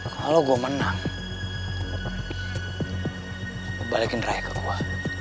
kalau gue menang balikin raya ke gue